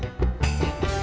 ini mbak mbak ketinggalan